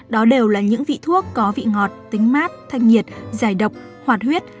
đó đều là những vị thuốc có vị ngọt tính mát thanh nhiệt dài độc hoạt huyết